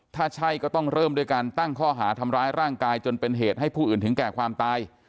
ถ้าใช่ก็ต้องเริ่มด้วยการตั้งข้อหาทำร้ายร่างกายจนเป็นเหตุให้ผู้อื่นถึงแก่ความตาย